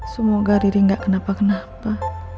semoga riri gak kenapa kenapa